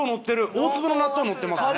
大粒の納豆のってますね。